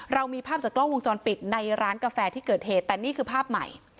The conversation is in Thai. เรามีภาพจากกล้องวงจรปิดในร้านกาแฟที่เกิดเหตุแต่นี่คือภาพใหม่